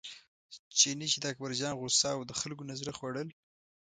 چیني چې د اکبرجان غوسه او د خلکو نه زړه خوړل.